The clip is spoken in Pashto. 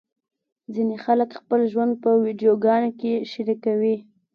ځینې خلک خپل ژوند په ویډیوګانو کې شریکوي.